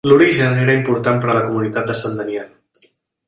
L'origen era important per a la comunitat de sant Daniel.